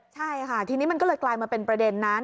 ใช่ค่ะทีนี้มันก็เลยกลายมาเป็นประเด็นนั้น